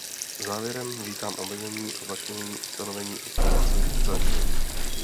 Závěrem vítám omezení a začlenění ustanovení o spalovacích zařízeních.